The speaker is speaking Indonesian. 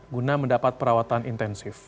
guna mendapat perawatan intensif